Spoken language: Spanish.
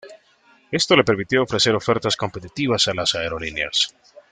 Esto le permitió ofrecer ofertas competitivas a las aerolíneas.